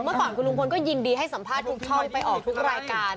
เมื่อก่อนคุณลุงพลก็ยินดีให้สัมภาษณ์ทุกช่องไปออกทุกรายการ